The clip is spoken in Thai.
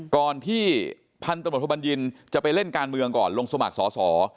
ก่อนที่พันธบทบัญญินจะไปเล่นการเมืองก่อนลงสมัครสอสอ